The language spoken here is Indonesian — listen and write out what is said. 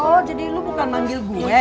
oh jadi lu bukan manggil gue